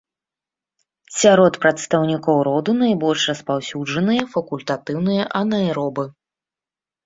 Сярод прадстаўнікоў роду найбольш распаўсюджаныя факультатыўныя анаэробы.